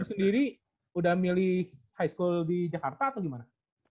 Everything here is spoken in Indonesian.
sendiri udah milih high school di jakarta atau gimana